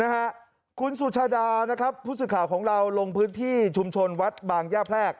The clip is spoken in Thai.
นะฮะคุณสุชาดานะครับผู้สื่อข่าวของเราลงพื้นที่ชุมชนวัดบางย่าแพรก